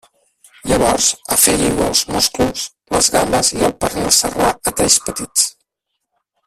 Llavors afegiu-hi els musclos, les gambes i el pernil serrà a talls petits.